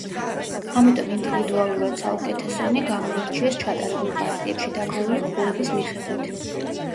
ამიტომ ინდივიდუალურად საუკეთესონი გამოარჩიეს ჩატარებულ პარტიებში დაგროვილი ქულების მიხედვით.